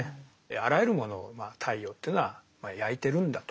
あらゆるものを太陽というのは焼いてるんだと。